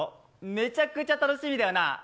めちゃくちゃ楽しみだよな。